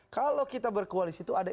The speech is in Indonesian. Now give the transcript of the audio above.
kalau kita berkoalisi itu ada